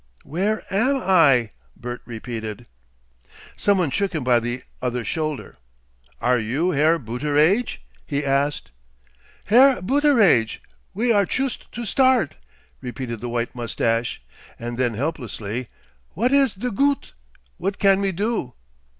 "Where am I?" Bert repeated. Some one shook him by the other shoulder. "Are you Herr Booteraidge?" he asked. "Herr Booteraidge, we are chust to start!" repeated the white moustache, and then helplessly, "What is de goot? What can we do?"